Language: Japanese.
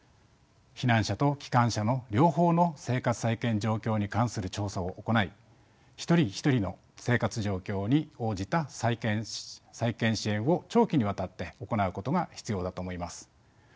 避難者と帰還者の両方の生活再建状況に関する調査を行い一人一人の生活状況に応じた再建支援を長期にわたって行うことが必要だと思います。